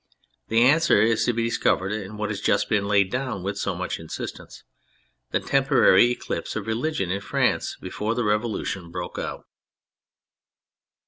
The answer is to be dis covered in what has just been laid down with so much insistence : the temporary eclipse of religion in France before the Revolution broke out.